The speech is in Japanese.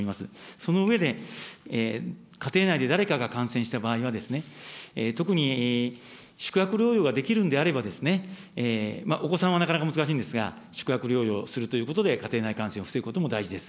その上で、家庭内で誰かが感染した場合は、特に宿泊療養ができるんであれば、お子さんはなかなか難しいんですが、宿泊療養するということで、家庭内感染を防ぐことも大事です。